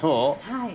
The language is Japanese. はい。